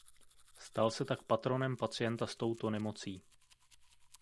Stal se tak patronem pacienta s touto nemocí.